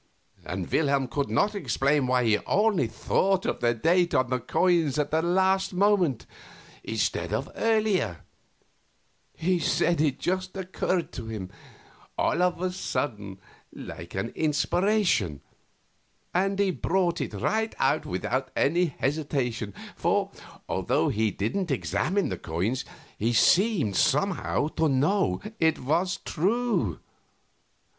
And Wilhelm could not explain why he only thought of the date on the coins at the last moment, instead of earlier; he said it just occurred to him, all of a sudden, like an inspiration, and he brought it right out without any hesitation, for, although he didn't examine the coins, he seemed, somehow, to know it was true.